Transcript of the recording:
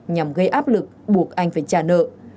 nhằm gây áp lực buộc anh phải trả nợ